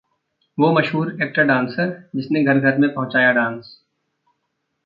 वो मशहूर एक्टर-डांसर, जिसने घर-घर में पहुंचाया डांस